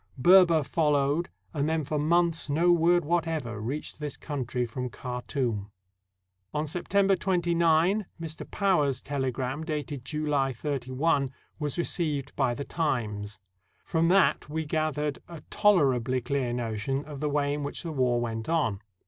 Berber fol lowed, and then for months no word whatever reached this country from Khartoum. On September 29, Mr. Power's telegram, dated July 31, was received by the "Times." From that we gath ered a tolerably clear notion of the way in which the w^ar went on.